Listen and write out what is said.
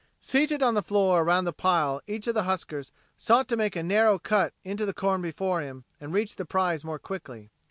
Seated on the floor around the pile each of the huskers sought to make a narrow cut in the corn before him to reach the prize more quickly.